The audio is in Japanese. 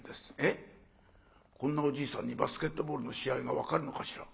えっこんなおじいさんにバスケットボールの試合が分かるのかしら？